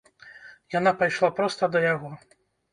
Яна пайшла проста да яго.